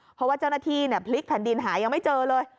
เพราะว่าเจ้าหน้าที่พลิกแผ่นดินหายังไม่เจอเลย